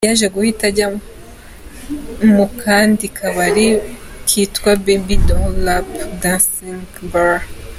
Yaje guhita ajya mu kandi kabari kitwa Baby Dolls lap-dancing bar.